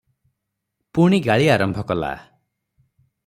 ପୁଣି ଗାଳି ଆରମ୍ଭ କଲା ।